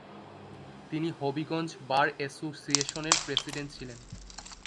তিনি হবিগঞ্জ বার এসোসিয়েশনের প্রেসিডেন্ট ছিলেন।